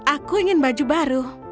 aku ingin baju baru